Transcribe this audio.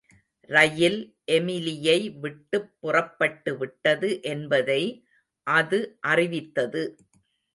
ரயில் எமிலியை விட்டுப் புறப்பட்டுவிட்டது என்பதை அது அறிவித்தது.